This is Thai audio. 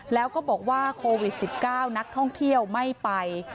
แล้วก็บอกว่าโควิด๑๙นักท่องเที่ยวไม่ไป